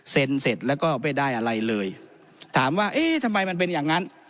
เสร็จแล้วก็ไม่ได้อะไรเลยถามว่าเอ๊ะทำไมมันเป็นอย่างนั้น